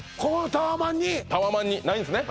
タワマンにないんすね？